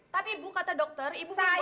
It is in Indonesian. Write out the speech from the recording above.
tapi ibu kata dokter ibu belum boleh pulang